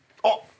あっ。